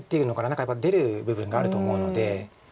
何かやっぱり出る部分があると思うので。